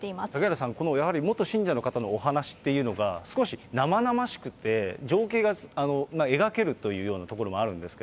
嵩原さん、やはりこの元信者の方のお話っていうのが、少しなまなましくて、情景が描けるというようなところもあるんです